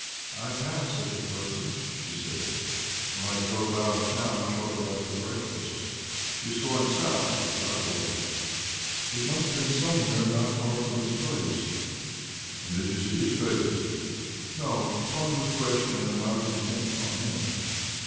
"I passed such a person," she said, "when I drove out of town shortly after breakfast. He was going south, as I was. It must have been somewhere not far from this place." "And did you see his face?" "No; the pony was fresh then, and I was intent upon him."